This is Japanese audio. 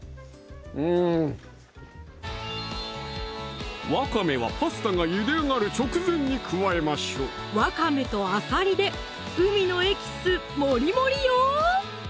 うんわかめはパスタがゆで上がる直前に加えましょうわかめとあさりで海のエキスもりもりよ！